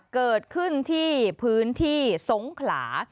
เกิดขึ้นที่พื้นที่สงขลา